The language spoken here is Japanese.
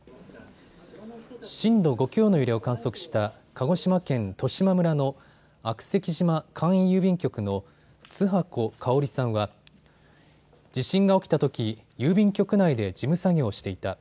震度５強の揺れを観測した鹿児島県十島村の悪石島簡易郵便局の津波古香織さんは地震が起きたとき、郵便局内で事務作業をしていた。